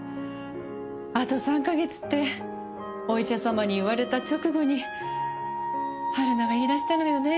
あと３カ月ってお医者様に言われた直後に春菜が言い出したのよね。